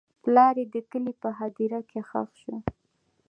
پلار یې د کلي په هدیره کې ښخ شو.